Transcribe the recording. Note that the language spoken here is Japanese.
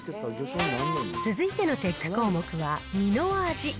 続いてのチェック項目は、身の味。